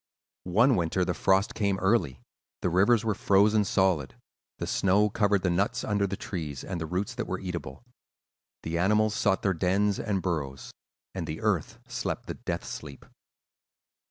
"One winter the frost came early; the rivers were frozen solid; the snow covered the nuts under the trees and the roots that were eatable. The animals sought their dens and burrows, and the earth slept the death sleep.